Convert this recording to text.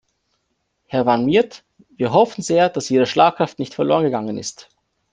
Herr Van Miert, wir hoffen sehr, dass Ihre Schlagkraft nicht verlorengegangen ist!